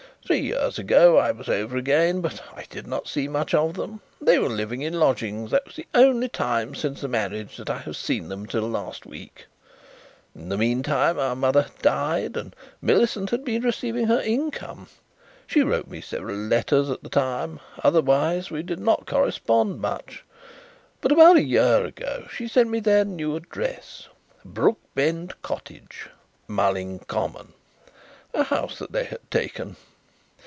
"Three years ago I was over again but I did not see much of them. They were living in lodgings. That was the only time since the marriage that I have seen them until last week. In the meanwhile our mother had died and Millicent had been receiving her income. She wrote me several letters at the time. Otherwise we did not correspond much, but about a year ago she sent me their new address Brookbend Cottage, Mulling Common a house that they had taken.